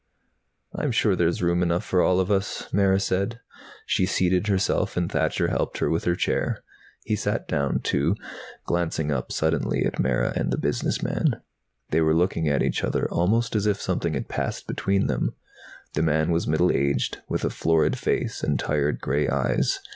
"I'm sure there's room enough for us all," Mara said. She seated herself and Thacher helped her with her chair. He sat down, too, glancing up suddenly at Mara and the business man. They were looking at each other almost as if something had passed between them. The man was middle aged, with a florid face and tired, grey eyes.